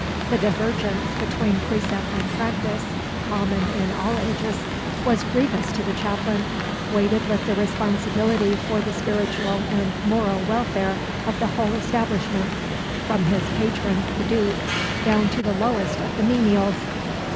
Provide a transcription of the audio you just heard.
The divergence between precept and practice common in all ages was grievous to the chaplain, weighted with the responsibility for the spiritual and moral welfare of the whole establishment, from his "patron" the Duke, down to the lowest of the menials.